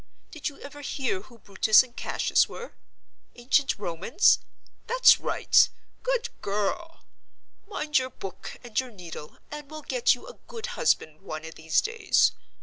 Did you ever hear who Brutus and Cassius were? Ancient Romans? That's right— good girl. Mind your book and your needle, and we'll get you a good husband one of these days.